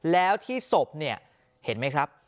แล้วที่ศพเนี่ยเห็นไหมครับ